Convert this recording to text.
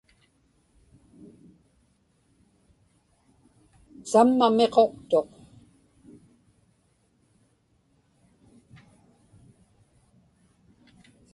samma miquqtuq